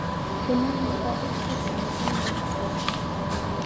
که موږ متحد شو، دا وطن به بدل شي.